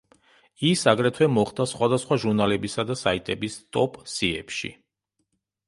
ის, აგრეთვე მოხდა სხვადასხვა ჟურნალებისა და საიტების ტოპ სიებში.